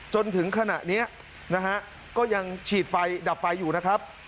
จนถึงขณะนี้นะฮะก็ยังฉีดไฟดับไฟอยู่นะครับ